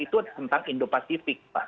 itu tentang indo pasifik